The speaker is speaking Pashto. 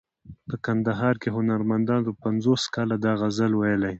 په کندهار کې هنرمندانو پنځوس کاله دا غزل ویلی.